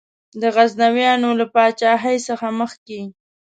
د غزنویانو له پاچهۍ څخه مخکي.